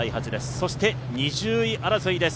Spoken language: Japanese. そして２０位争いです。